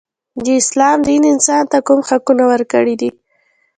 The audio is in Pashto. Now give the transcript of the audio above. د اسلام دین انسان ته کوم حقونه ورکړي دي.